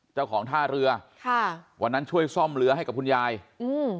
ท่าเรือค่ะวันนั้นช่วยซ่อมเรือให้กับคุณยายอืม